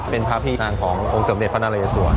เป็นพระพินางขององค์สมเด็จพระนาเลสวร